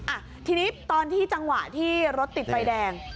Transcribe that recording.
อ่ะทีนี้ตอนที่จังหวะที่รถติดไฟแดง